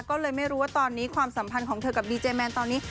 ก็เลยไม่รู้ว่าตอนนี้ความสัมพันธ์ของเธอกับดีเจแมนตอนนี้